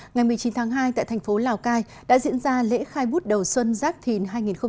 ngày một mươi chín tháng hai tại thành phố lào cai đã diễn ra lễ khai bút đầu xuân giáp thìn hai nghìn hai mươi bốn